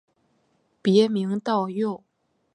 别名道佑。